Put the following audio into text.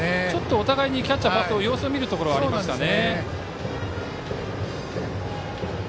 お互いのキャッチャーが様子を見る場面もありましたね。